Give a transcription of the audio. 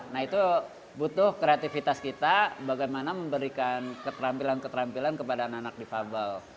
nah itu butuh kreativitas kita bagaimana memberikan keterampilan keterampilan kepada anak anak difabel